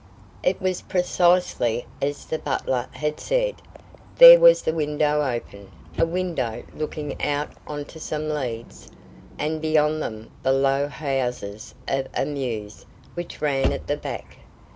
It was precisely as the butler had said. There was the window open a window looking out on to some leads. And beyond them the low houses of a mews which ran at the back.